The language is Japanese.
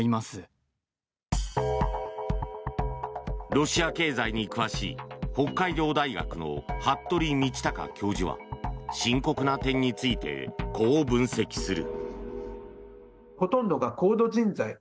ロシア経済に詳しい北海道大学の服部倫卓教授は深刻な点についてこう分析する。